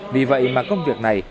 vì vậy mà công việc này